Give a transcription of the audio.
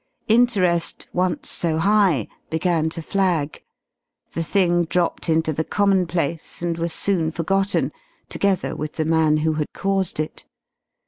Interest, once so high, began to flag. The thing dropped into the commonplace, and was soon forgotten, together with the man who had caused it.